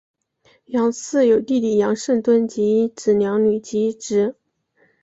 杨氏有弟弟杨圣敦及一子两女及一侄。